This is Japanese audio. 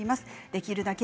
できるだけ